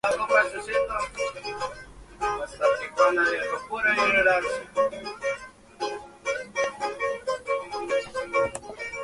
Luego apareció sólo cinco veces en la liga Premiership.